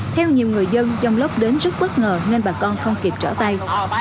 theo nhiều người dân dông lốc đến rất bất ngờ nên bà con không kịp trở tay